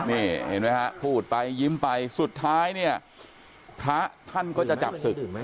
นี่เห็นไหมฮะพูดไปยิ้มไปสุดท้ายเนี่ยพระท่านก็จะจับศึก